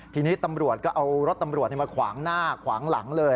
ทีนี้ตำรวจก็เอารถตำรวจมาขวางหน้าขวางหลังเลย